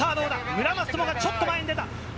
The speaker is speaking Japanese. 村松灯がちょっと前に出た！